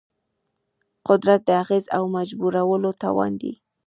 قدرت د اغېز او مجبورولو توان دی.